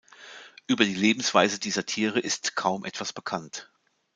Über die Lebensweise dieser Tiere ist kaum etwas bekannt.